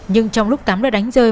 nhưng trong lúc tắm đã đánh rơi